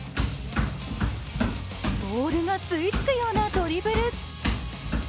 ボールが吸いつくようなドリブル。